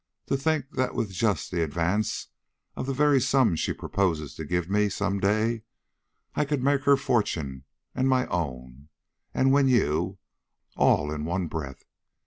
To think that with just the advance of the very sum she proposes to give me some day, I could make her fortune and my own, and win you all in one breath!